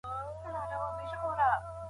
کتاب لوستل پر انسان ژور اثر کوي.